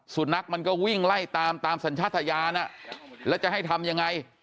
สุนัขมันก็วิ่งไล่ตามตามสัญชาติยานแล้วจะให้ทำยังไง